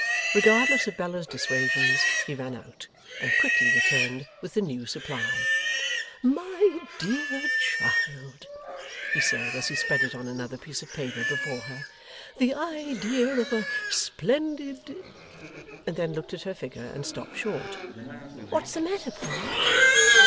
Regardless of Bella's dissuasions he ran out, and quickly returned with the new supply. 'My dear child,' he said, as he spread it on another piece of paper before her, 'the idea of a splendid !' and then looked at her figure, and stopped short. 'What's the matter, Pa?